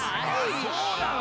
そうなの？